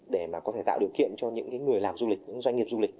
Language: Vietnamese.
để mà có thể tạo điều kiện cho những người làm du lịch những doanh nghiệp du lịch